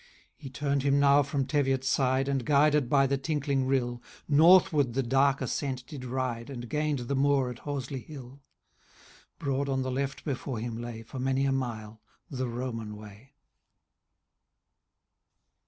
He tum'd him now from Teviotside, And, guided by the tinkling rill. Northward the dark ascent did ride, And gained the moor at Horsliehill ;• Broad on the left before him lay. For many a mile, the Roman way.